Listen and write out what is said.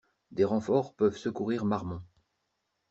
Des renforts peuvent secourir Marmont.